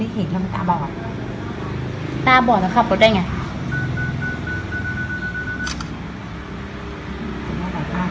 ปรับบอกน่าบอกแล้วขับรถได้ไง